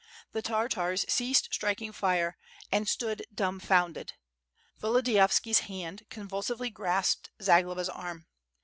The Tartars ceased striking fire, and stood dumbfounded. Volodiyovski's hand convulsively grasped Zagloba's arm.